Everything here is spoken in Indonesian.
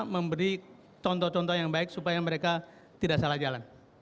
memberi contoh contoh yang baik supaya mereka tidak salah jalan